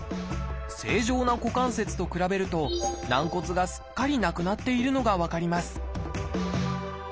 正常な股関節と比べると軟骨がすっかりなくなっているのが分かります